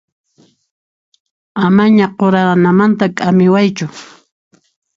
Amaña quranamanta k'amiwaychu.